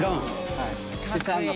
はい。